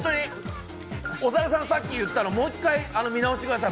長田さんがさっき言ったのを、もう一度見直してください。